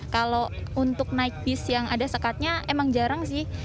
kalau untuk naik bis yang ada sekatnya emang jarang sih